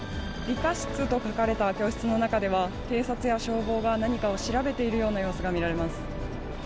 理科室と書かれた教室の中では、警察や消防が何かを調べているような様子が見られます。